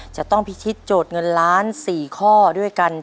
จะต้องพิชิตโจทย์เงินล้าน๔ข้อด้วยกัน